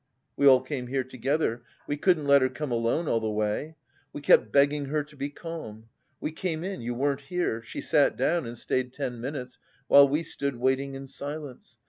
We all came here together, we couldn't let her come alone all the way. We kept begging her to be calm. We came in, you weren't here; she sat down, and stayed ten minutes, while we stood waiting in silence.